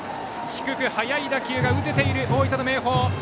低く速い打球が打てている大分の明豊。